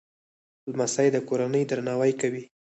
لمسی د کورنۍ درناوی کوي.